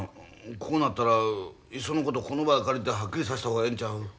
こうなったらいっそのことこの場を借りてはっきりさした方がええんちゃう？